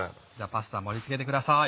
パスタ盛り付けてください。